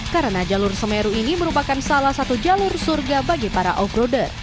karena jalur semeru ini merupakan salah satu jalur surga bagi para off roader